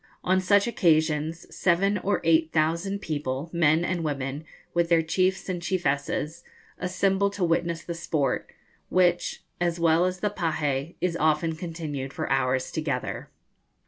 On such occasions seven or eight thousand people, men and women, with their chiefs and chiefesses, assemble to witness the sport, which, as well as the pahé, is often continued for hours together.'